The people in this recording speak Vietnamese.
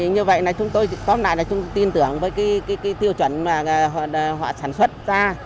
như vậy chúng tôi tin tưởng với tiêu chuẩn họ sản xuất ra